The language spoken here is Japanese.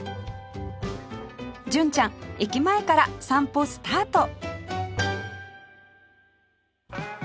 純ちゃん駅前から散歩スタート